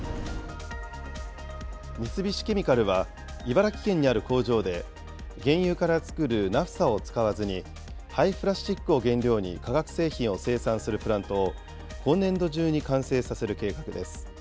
三菱ケミカルは、茨城県にある工場で、原油から作るナフサを使わずに、廃プラスチックを原料に化学製品を生産するプラントを、今年度中に完成させる計画です。